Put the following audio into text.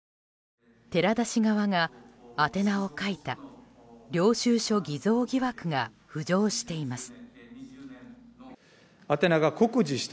寺田氏側が宛て名を書いた領収書偽造疑惑が浮上しています。